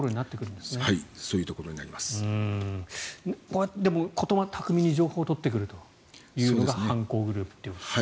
でも、言葉巧みに情報を取ってくるというのが犯行グループということですね。